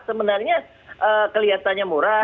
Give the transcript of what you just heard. sebenarnya kelihatannya murah